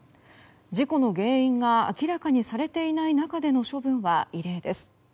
事故の原因が明らかにされていない中での処分は異例です。